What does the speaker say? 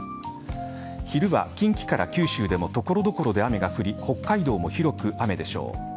昼は近畿から九州では所々で雨が降り北海道も広く雨でしょう。